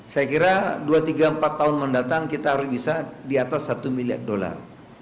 saya kira dua tiga empat tahun mendatang kita harus bisa di atas satu miliar dolar